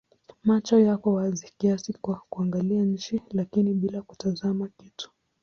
Macho yako wazi kiasi kwa kuangalia chini lakini bila kutazama kitu.